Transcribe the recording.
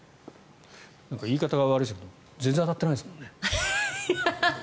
言い方は悪いですが全然当たってないですもんね。